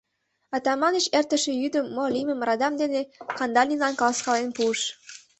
Атаманыч эртыше йӱдым мо лиймым радам дене Кандалинлан каласкален пуыш.